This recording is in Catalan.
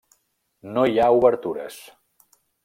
No hi ha obertures.